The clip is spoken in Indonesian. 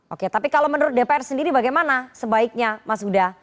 oke tapi kalau menurut dpr sendiri bagaimana sebaiknya mas huda